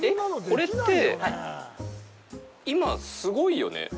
これって、今、すごいよね？